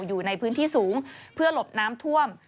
อยู่ในพื้นที่สูงเพื่อหลบน้ำท่วม